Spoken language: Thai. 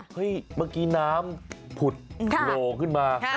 เมื่อกี้น้ำผุดโผล่ขึ้นมา